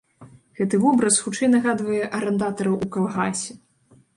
Гэты вобраз хутчэй нагадвае арандатараў у калгасе.